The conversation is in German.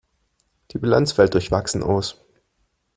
Die Bilanz fällt durchwachsen aus.